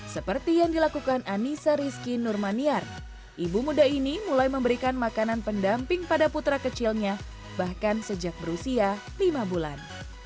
seperti yang dilakukan anissa rizky nurmaniar ibu muda ini mulai memberikan makanan pendamping pada putra kecilnya bahkan sejak berusia lima bulan